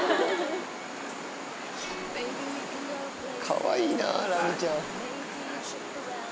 かわいいなラミちゃん。